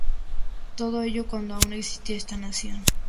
Todo ello cuando aún existía esta nación.